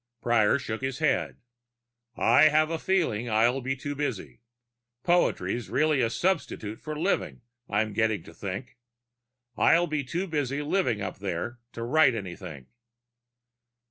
Prior shook his head. "I have a feeling I'll be too busy. Poetry's really just a substitute for living, I'm getting to think. I'll be too busy living up there to write anything."